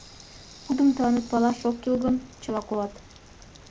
Кудым тыланет палаш ок кӱл гын, чыла колат.